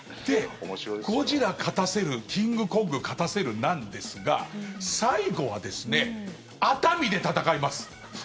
ゴジラ勝たせるキングコング勝たせるなんですが最後はですね熱海で戦います。